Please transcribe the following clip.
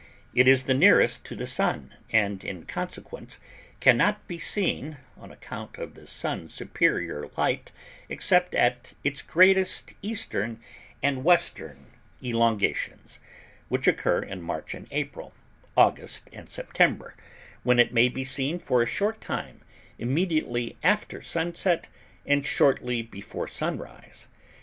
It is the nearest to the Sun, and, in consequence, can not be seen (on account of the Sun's superior light), except at its greatest eastern and western elongations, which occur in March and April, August and September, when it may be seen for a short time immediately after sunset and shortly before sunrise.